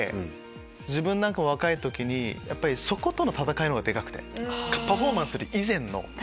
自分なんかも若い時にそことの戦いの方がでかくてパフォーマンスする以前の。